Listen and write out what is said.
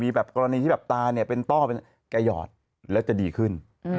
แบบกรณีที่แบบตาเนี่ยเป็นต้อเป็นแกหยอดแล้วจะดีขึ้น